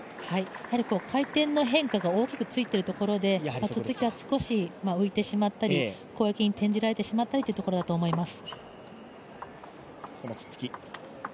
やはり回転の変化が大きくついているところでつっつきが少し浮いてしまったり攻撃に転じられてしまったりというところだと思います。